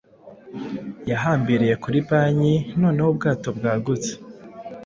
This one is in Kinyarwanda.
Yahambiriye kuri banki noneho ubwato bwagutse